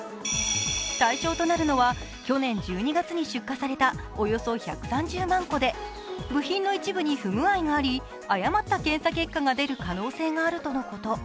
対象となるのは去年１２月に出荷されたおよそ１３０万個で部品の一部に不具合があり、誤った検査結果が出る可能性があるということ。